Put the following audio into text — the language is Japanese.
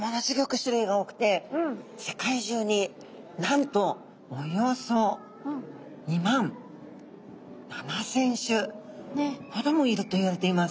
種類が多くて世界中になんとおよそ２万７，０００種ほどもいるといわれています。